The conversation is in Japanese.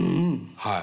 はい。